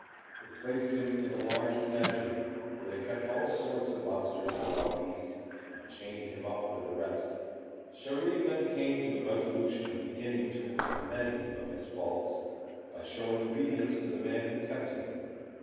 They placed him in a large menagerie, where they kept all sorts of monsters and wild beasts, and chained him up with the rest. Chéri then came to the resolution of beginning to amend of his faults, by showing obedience to the man who kept him.